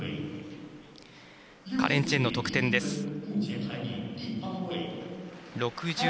カレン・チェンの得点です。